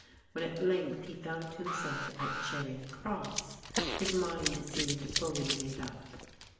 When, at length, he found himself at Charing Cross his mind seemed fully made up.